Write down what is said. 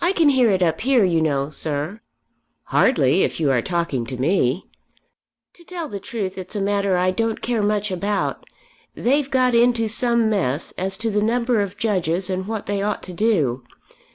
"I can hear it up here, you know, sir." "Hardly if you are talking to me." "To tell the truth it's a matter I don't care much about. They've got into some mess as to the number of Judges and what they ought to do.